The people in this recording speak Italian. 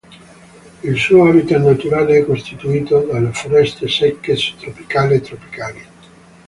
Il suo habitat naturale è costituito dalle foreste secche subtropicali o tropicali.